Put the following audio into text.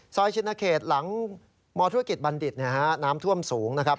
ซอยชิดนาเขตหลังมธุรกิจบันดิษฐ์น้ำท่วมสูงนะครับ